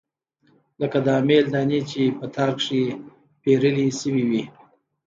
لکه د امېل دانې چې پۀ تار کښې پېرلے شوي وي